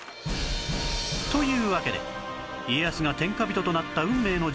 というわけで家康が天下人となった運命の事件